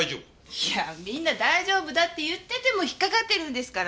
いやみんな大丈夫だって言ってても引っかかってるんですから。